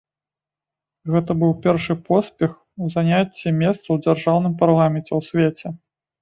Гэта быў першы поспех у заняцці месцаў у дзяржаўным парламенце ў свеце.